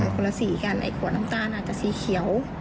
คนละสีกันไอ้ขวดน้ำตาลอาจจะสีเขียว